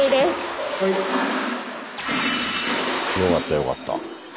よかったよかった。